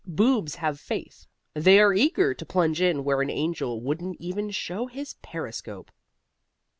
Boobs have faith. They are eager to plunge in where an angel wouldn't even show his periscope.